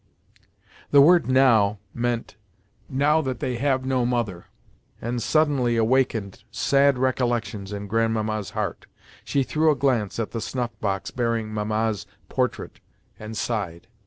The word "now" meant "now that they have no mother," and suddenly awakened sad recollections in Grandmamma's heart. She threw a glance at the snuff box bearing Mamma's portrait and sighed.